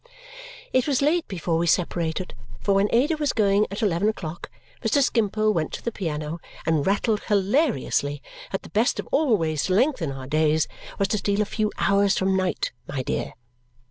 It was late before we separated, for when Ada was going at eleven o'clock, Mr. Skimpole went to the piano and rattled hilariously that the best of all ways to lengthen our days was to steal a few hours from night, my dear!